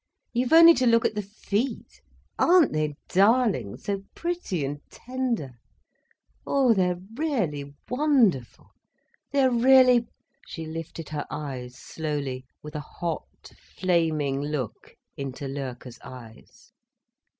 "You've only to look at the feet—aren't they darling, so pretty and tender—oh, they're really wonderful, they are really—" She lifted her eyes slowly, with a hot, flaming look into Loerke's eyes.